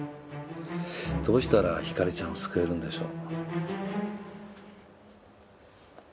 どうしたらひかりちゃんを救えるんでしょう。